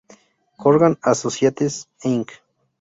Corgan Associates, Inc.